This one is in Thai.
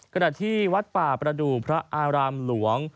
ขณะที่วัดป่าประดูกพระอารามหลวง